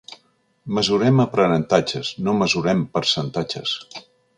“Mesurem aprenentatges, no mesurem percentatges”.